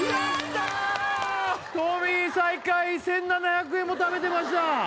トミー最下位１７００円も食べてました